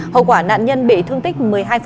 hậu quả nạn nhân bị thương tích một mươi hai